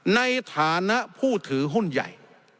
ในฐานะผู้ถือหุ้นใหญ่